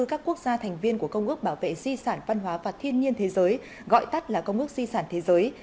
các quốc gia thành viên của công ước bảo vệ di sản văn hóa và thiên nhiên thế giới gọi tắt là công ước di sản thế giới